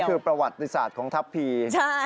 คือประวัติศาสตร์ของทัพพี